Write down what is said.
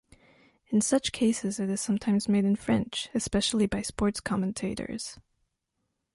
In such cases, it is sometimes made in French, especially by sports commentators.